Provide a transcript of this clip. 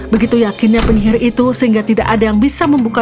begitu yakinnya penyihir itu sehingga tidak ada yang bisa membuka dua puluh kunci